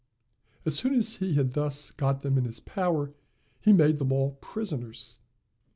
As soon as he had thus got them in his power, he made them all prisoners.